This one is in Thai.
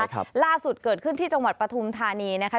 ครับล่าสุดเกิดขึ้นที่จังหวัดปฐุมธานีนะคะ